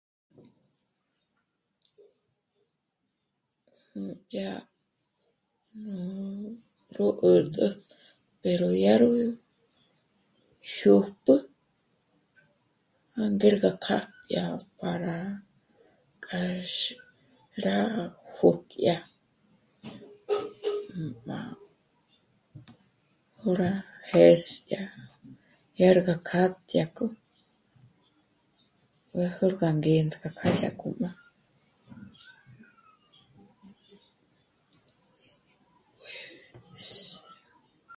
Dyá nú... ró 'ä́rtä pero dyá rú jiö́jpjü jângér gá kjá dyá para k'a x... k'a jö́'kyà... ná... 'ó rá jésyà dyêrgá kja dyàkjo m'ár jú já'a ngérga k'a dyákjójma